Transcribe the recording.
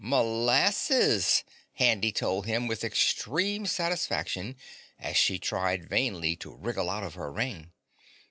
"Molasses," Handy told him with extreme satisfaction as she tried vainly to wriggle out of her ring.